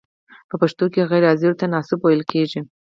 په پښتو کې غیر حاضر ته ناسوب ویل کیږی.